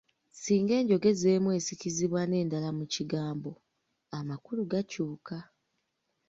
Singa enjogeza emu esikizibwa n’endala mu kigambo, amakulu gakyuka.